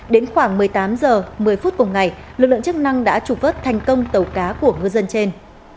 đến khoảng một mươi tám h một mươi phút cùng ngày lực lượng chức năng đã trục vớt thành công tàu cá của ngư dân trên